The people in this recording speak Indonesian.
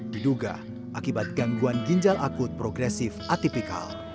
diduga akibat gangguan ginjal akut progresif atipikal